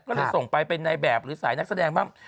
ก็เลยส่งไปเป็นในแบบหรือสายนักแสดงบ้าง